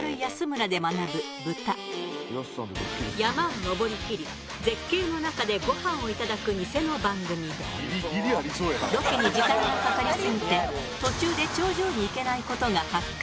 山を登りきり絶景の中でごはんをいただく偽の番組でロケに時間がかかりすぎて途中で頂上に行けない事が発覚。